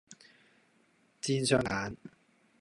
煎雙蛋